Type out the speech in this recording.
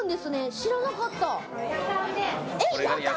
知らなかった。